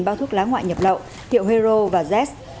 bao thuốc lá ngoại nhập lậu hiệu hero và z